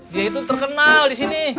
dia itu terkenal disini